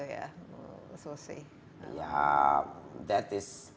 ya itu adalah